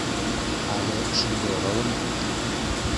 Але шынде оролым.